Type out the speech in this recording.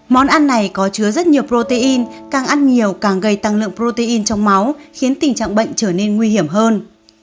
món ăn này có chứa rất nhiều protein càng ăn nhiều càng gây tăng lượng protein trong máu khiến tình trạng bệnh trở nên nguy hiểm hơn